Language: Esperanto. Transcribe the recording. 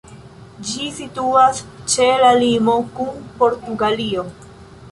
Ĝi situas ĉe la limo kun Portugalio.